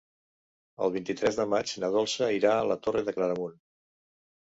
El vint-i-tres de maig na Dolça irà a la Torre de Claramunt.